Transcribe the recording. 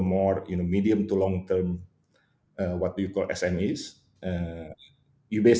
menjadi sebuah sme yang lebih dalam kemampuan